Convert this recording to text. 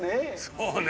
そうね。